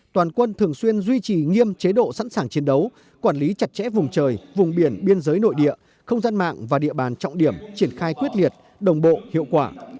toàn quân thường xuyên duy trì nghiêm chế độ sẵn sàng chiến đấu quản lý chặt chẽ vùng trời vùng biển biên giới nội địa không gian mạng và địa bàn trọng điểm triển khai quyết liệt đồng bộ hiệu quả